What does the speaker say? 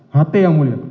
hati yang mulia